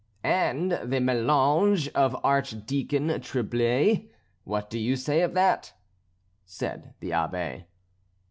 "And the Mélanges of Archdeacon Trublet, what do you say of that?" said the Abbé.